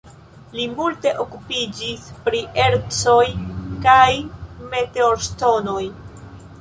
Li multe okupiĝis pri ercoj kaj meteorŝtonoj.